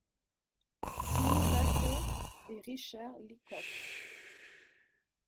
Pennebaker et Richard Leacock.